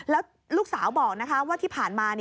แล้วลูกสาวบอกว่าที่ผ่านมา